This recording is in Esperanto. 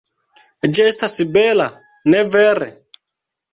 Ĝi estas bela, ne vere?